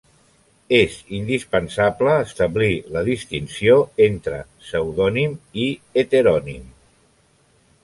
És indispensable establir la distinció entre pseudònim i heterònim.